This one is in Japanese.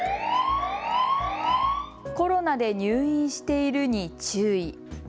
コロナで入院しているに注意。